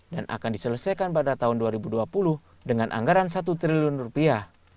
dan akan diselesaikan pada tahun dua ribu dua puluh dengan anggaran satu triliun rupiah